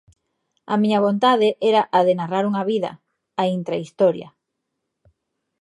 A miña vontade era a de narrar unha vida, a intrahistoria.